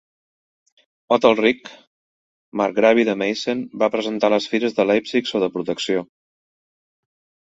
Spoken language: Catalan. Ot el Ric, marcgravi de Meissen, va presentar les fires de Leipzig sota protecció.